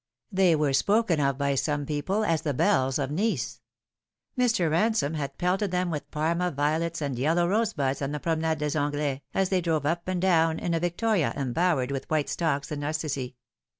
They were spoken of by some people as the belles of Nice. Mr. Ransome had pelted them with Parma violets and yellow rosebuds on the Promenade des Anglais, as they drove up and down in a vic toria embowered in white stocks and narcissi.